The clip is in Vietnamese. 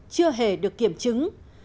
chưa hề được kiểm chứng